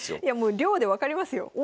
いやもう量で分かりますよ